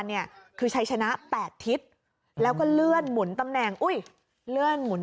เนี่ยคือชัยชนะ๘ทิศแล้วก็เลื่อนหมุนตำแหน่งอุ้ยเลื่อนหมุน